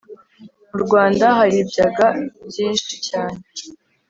Murwanda haribyaga byinshi cyane